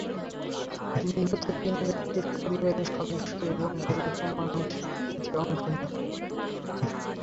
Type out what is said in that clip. নিহত তিন ব্যক্তির পরিবারের সদস্য এবং এলাকার মানুষ এতে অংশ নেন।